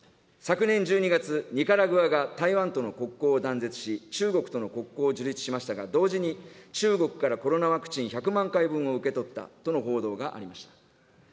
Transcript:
昨年１２月、ニカラグアが台湾との国交を断絶し、中国との国交を樹立しましたが、同時に中国からコロナワクチン１００万回分を受け取ったとの報道がありました。